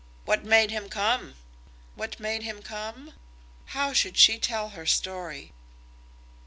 "What made him come?" "What made him come?" How should she tell her story?